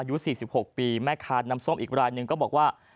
อายุ๔๖ปีแม่ค้าน้ำส้มอีกรายหนึ่งก็บอกว่า